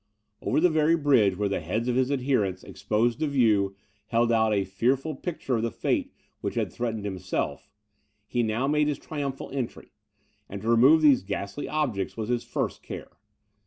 Over the very bridge where the heads of his adherents, exposed to view, held out a fearful picture of the fate which had threatened himself, he now made his triumphal entry; and to remove these ghastly objects was his first care.